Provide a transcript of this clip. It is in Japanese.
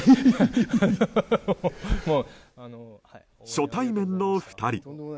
初対面の２人。